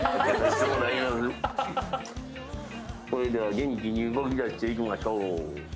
元気に動きだしていきましょう。